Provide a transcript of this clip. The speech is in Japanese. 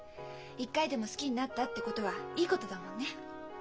一回でも好きになったってことはいいことだもんね。